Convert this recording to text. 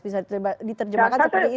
bisa diterjemahkan seperti itu